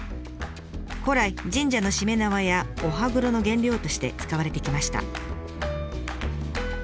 古来神社のしめ縄やお歯黒の原料として使われてきました。